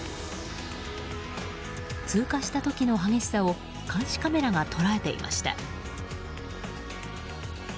通過した時の激しさを監視カメラが捉えていました。